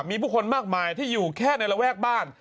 มีผู้คนมากมายที่อยู่แค่ในระแวกบ้าน